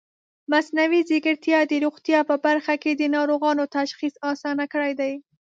مصنوعي ځیرکتیا د روغتیا په برخه کې د ناروغانو تشخیص اسانه کړی دی.